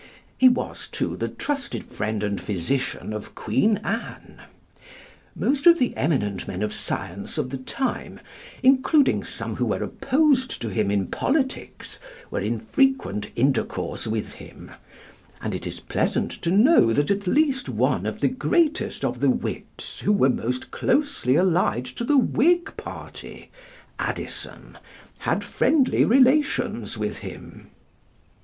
He was, too, the trusted friend and physician of Queen Anne. Most of the eminent men of science of the time, including some who were opposed to him in politics, were in frequent intercourse with him; and it is pleasant to know that at least one of the greatest of the wits who were most closely allied to the Whig party Addison had friendly relations with him."